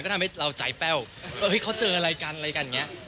ก็ทำให้เราใจแป้วเขาเจออะไรกันอะไรกันอย่างนี้